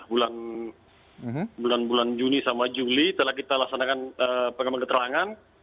bulan bulan juni sama juli telah kita laksanakan pengambilan keterangan